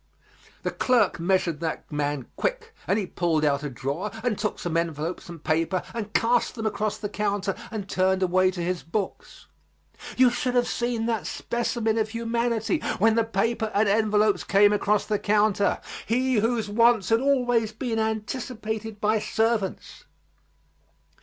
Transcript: The clerk measured that man quick, and he pulled out a drawer and took some envelopes and paper and cast them across the counter and turned away to his books. You should have seen that specimen of humanity when the paper and envelopes came across the counter he whose wants had always been anticipated by servants.